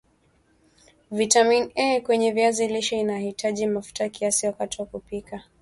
vitamini A kwenye viazi lishe inahitaji mafuta kiasi wakati wa kupika